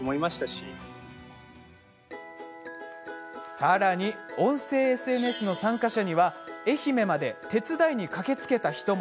さらに、音声ＳＮＳの参加者には愛媛まで手伝いに駆けつけた人も。